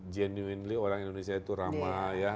genuinly orang indonesia itu ramah ya